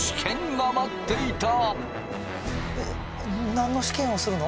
何の試験をするの？